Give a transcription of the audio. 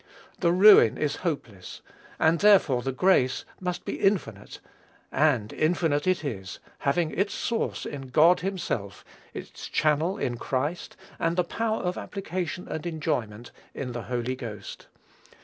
The ruin is hopeless, and therefore the grace must be infinite: and infinite it is, having its source in God himself, its channel in Christ, and the power of application and enjoyment in the Holy Ghost.